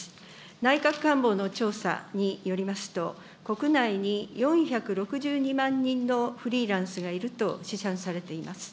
内閣官房の調査によりますと、国内に４６２万人のフリーランスがいると試算されています。